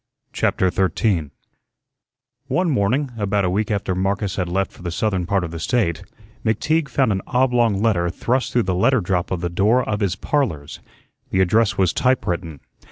CHAPTER 13 One morning about a week after Marcus had left for the southern part of the State, McTeague found an oblong letter thrust through the letter drop of the door of his "Parlors." The address was typewritten.